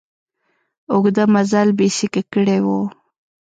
اوږده مزل بېسېکه کړی و.